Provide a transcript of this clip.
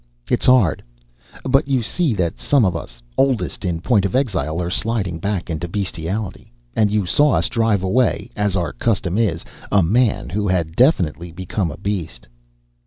It's hard. But you see that some of us, oldest in point of exile, are sliding back into bestiality. And you saw us drive away, as our custom is, a man who had definitely become a beast."